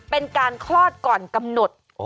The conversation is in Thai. เป็นการคลอดก่อนกำหนด